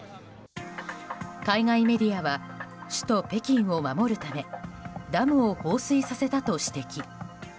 海外メディアは首都・北京を守るためダムを放水させたと指摘。